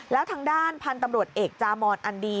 แล้วทางด้านพันธุ์ตำรวจเอกจามอนอันดี